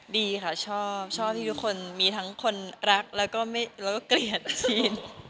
ดีค่ะชอบที่ทุกคนมีทั้งคนรักแล้วก็เกลียดอาซีน